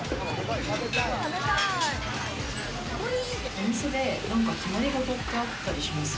お店で何か決まり事ってあったりします？